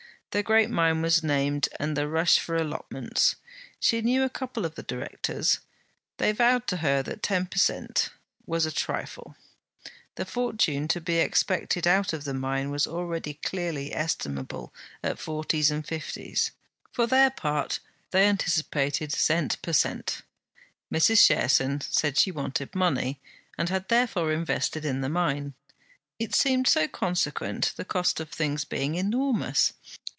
The great mine was named, and the rush for allotments. She knew a couple of the Directors. They vowed to her that ten per cent. was a trifle; the fortune to be expected out of the mine was already clearly estimable at forties and fifties. For their part they anticipated cent. per cent. Mrs. Cherson said she wanted money, and had therefore invested in the mine. It seemed so consequent, the cost of things being enormous!